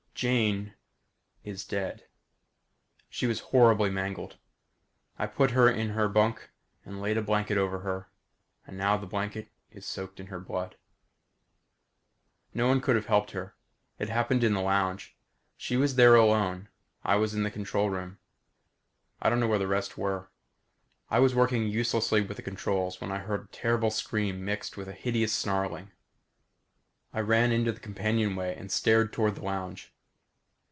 Jane is dead. She was horribly mangled. I put her in her bunk and laid a blanket over her and now the blanket is soaked in her blood. No one could have helped her. It happened in the lounge. She was in there alone. I was in the control room. I don't know where the rest were. I was working uselessly with the controls when I heard a terrible scream mixed with a hideous snarling. I ran into the companionway and stared toward the lounge.